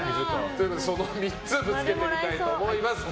その３つぶつけてみたいと思います。